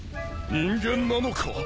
人間なのか？